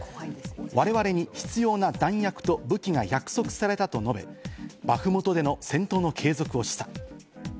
我々に必要な弾薬と武器が約束されたと述べ、バフムトでの戦闘の継続を示唆。